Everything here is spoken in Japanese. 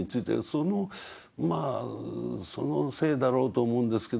そのまあそのせいだろうと思うんですけど